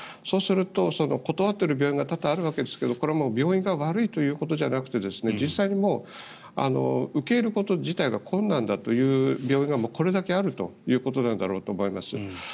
そうすると断っている病院が多々あるわけですがこれも病院が悪いということじゃなくて実際にもう受け入れること自体が困難だという病院がこれだけあるということなんだろうと思います。